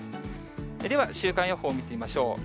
では週間予報見てみましょう。